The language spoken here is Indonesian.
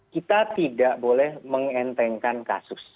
kita tidak boleh mengentengkan kasus